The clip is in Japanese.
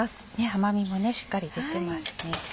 甘みもねしっかり出てますね。